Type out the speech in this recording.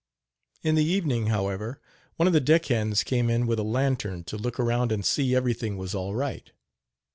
In the evening, however, one of the deck hands came in with a lantern to look around and see everything was all right.